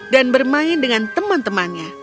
dan bermain dengan teman temannya